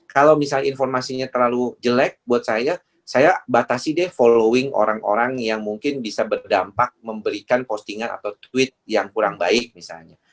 kalau misalnya informasinya terlalu jelek buat saya saya batasi deh following orang orang yang mungkin bisa berdampak memberikan postingan atau tweet yang kurang baik misalnya